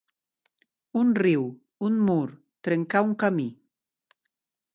Un riu, un mur, trencar un camí.